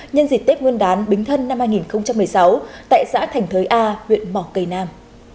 nhân dịp tết nguyên đán bính thân năm hai nghìn một mươi sáu tại xã thành thới a huyện mỏ cầy nam